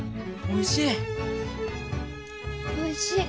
おいしい。